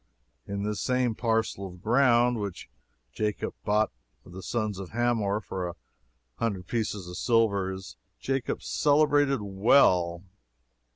In this same "parcel of ground" which Jacob bought of the sons of Hamor for a hundred pieces of silver, is Jacob's celebrated well.